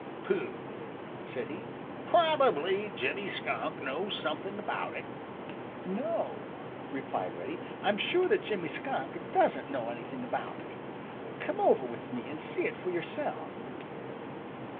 "Pooh!" said he. "Probably Jimmy Skunk knows something about it." "No," replied Reddy, "I'm sure that Jimmy Skunk doesn't know anything about it. Come over with me and see it for yourself."